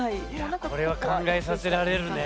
これは考えさせられるね。